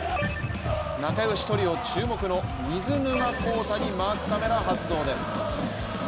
仲良しトリオ注目の水沼宏太にマークカメラ発動です。